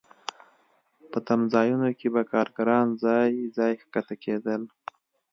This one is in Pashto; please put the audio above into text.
په تمځایونو کې به کارګران ځای ځای ښکته کېدل